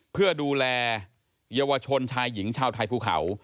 เพื่อดูแลเยาวชนชายหญิงชาวไทยภูเขา